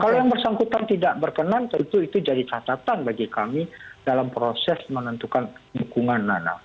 kalau yang bersangkutan tidak berkenan tentu itu jadi catatan bagi kami dalam proses menentukan dukungan nana